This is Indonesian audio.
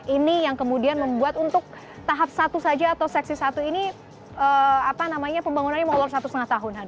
ini yang kemudian membuat untuk tahap satu saja atau seksi satu ini pembangunannya molor satu setengah tahun